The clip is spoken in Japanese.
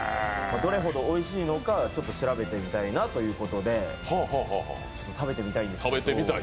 どれほどおいしいのか調べてみたいなということで食べてみたいんですけれども。